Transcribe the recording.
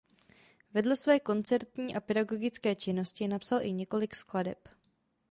Vedle své koncertní a pedagogické činnosti napsal i několik skladeb.